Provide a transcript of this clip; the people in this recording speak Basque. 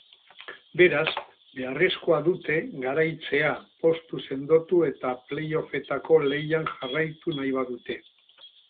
Beraz, beharrezkoa dute garaitzea postua sendotu eta playoffetako lehian jarraitu nahi badute.